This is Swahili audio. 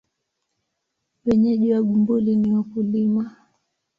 Wenyeji wa Bumbuli ni wakulima.